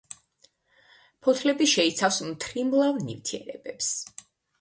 ფოთლები შეიცავს მთრიმლავ ნივთიერებებს.